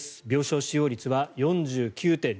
病床使用率は４９．２％。